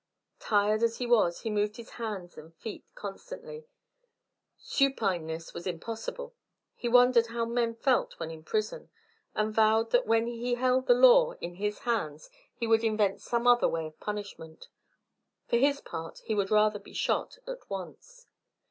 Tired as he was, he moved his hands and feet constantly; supineness was impossible. He wondered how men felt when in prison, and vowed that when he held the law in his hands he would invent some other way of punishment. For his part he would rather be shot at once.